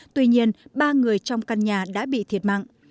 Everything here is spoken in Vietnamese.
tuy nhiên ba người trong căn nhà đã bị thiệt mạng